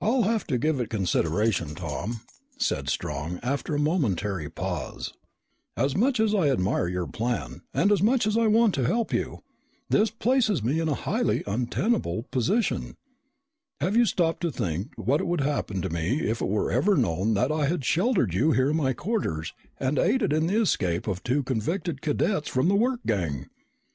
"I'll have to give it consideration, Tom," said Strong after a momentary pause. "As much as I admire your plan and as much as I want to help you, this places me in a highly untenable position. Have you stopped to think what would happen to me if it were ever known that I had sheltered you here in my quarters and aided in the escape of two convicted cadets from the work gang?"